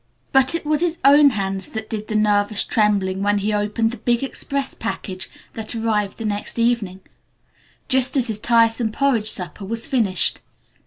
But it was his own hands that did the nervous trembling when he opened the big express package that arrived the next evening, just as his tiresome porridge supper was finished.